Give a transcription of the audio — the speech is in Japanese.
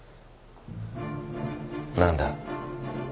何だ？